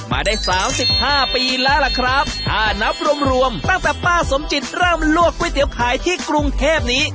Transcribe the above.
มาได้สามสิบห้าปีแล้วล่ะครับถ้านับรวมรวมตั้งแต่ป้าสมจิตเริ่มลวกก๋วยเตี๋ยวขายที่กรุงเทพนี้